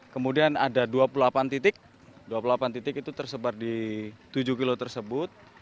kemudian ada dua puluh delapan titik dua puluh delapan titik itu tersebar di tujuh kilo tersebut